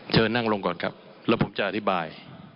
เชิญนั่งลงก่อนครับแล้วผมจะอธิบาย